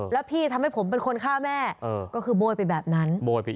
แล้วพี่ทำให้ผมเป็นคนฆ่าแม่ก็คือโบ้ยไปแบบนั้น